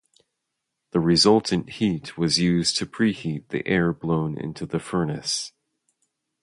The resultant heat was used to preheat the air blown into the furnace.